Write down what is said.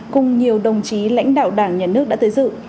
cùng nhiều đồng chí lãnh đạo đảng nhà nước đã tới dự